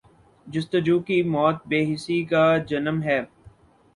جستجو کی موت بے حسی کا جنم ہے۔